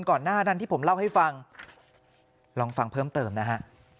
ก่อนหน้านั้นที่ผมเล่าให้ฟังลองฟังเพิ่มเติมนะฮะ